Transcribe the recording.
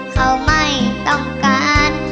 เขาไม่ต้องการ